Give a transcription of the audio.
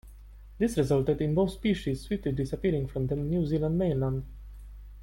This resulted in both species swiftly disappearing from the New Zealand mainland.